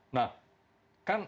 nah kan argumennya ya